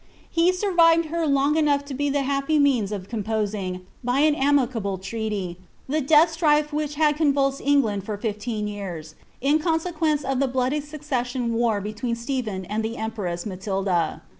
He survived her long enough to be tbt happy means of composing, by an amicable treaty, the dealh etrifs wturil bad convulsed England for fifteen years, in consequence of the bhmltf succession war between Stephen and the empress Matilda.